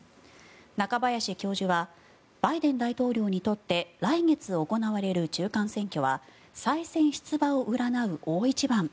中林教授はバイデン大統領にとって来月行われる中間選挙は再選出馬を占う大一番。